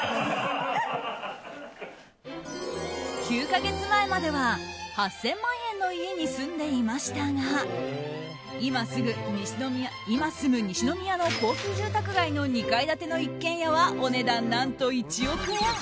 ９か月前までは８０００万円の家に住んでいましたが今、住む西宮の高級住宅街の２階建ての一軒家はお値段、何と１億円。